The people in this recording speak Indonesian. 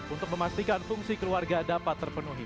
untuk memastikan fungsi keluarga dapat terpenuhi